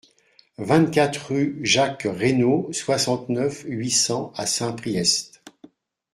vingt-quatre rue Jacques Reynaud, soixante-neuf, huit cents à Saint-Priest